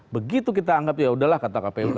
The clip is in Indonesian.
begitu kita anggap yaudahlah kata kpu